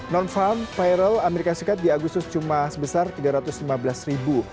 non farm viral amerika serikat di agustus cuma sebesar tiga ratus lima belas ribu